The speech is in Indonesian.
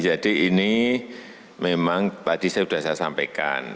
jadi ini memang tadi sudah saya sampaikan